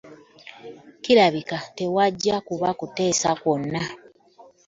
Kirabika tewajja kuba kuteesa kwonna.